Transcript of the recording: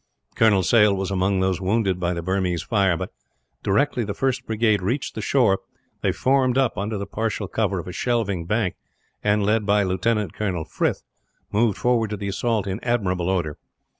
Colonel Sale was among those wounded by the Burmese fire but, directly the first brigade reached the shore, they formed up under the partial cover of a shelving bank and, led by Lieutenant Colonel Frith, moved forward to the assault in admirable order.